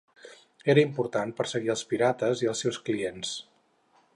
Era important perseguir els pirates i els seus clients.